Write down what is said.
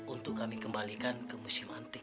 untuk kami kembalikan ke museum antik